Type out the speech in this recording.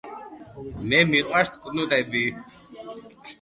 მე მიყვარს კნუტები